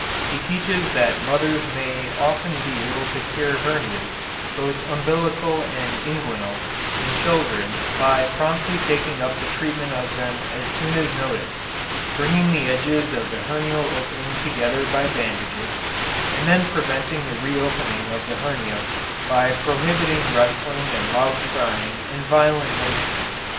He teaches that mothers may often be able to cure hernias, both umbilical and inguinal, in children by promptly taking up the treatment of them as soon as noticed, bringing the edges of the hernial opening together by bandages and then preventing the reopening of the hernia by prohibiting wrestling and loud crying and violent motion.